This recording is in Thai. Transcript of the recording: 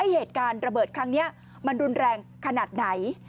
เกิดระเบิดครั้งนี้มันรุนแรงขนาดไหน